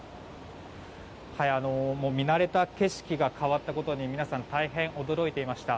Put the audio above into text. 見慣れた景色が変わったことに皆さん大変驚いていました。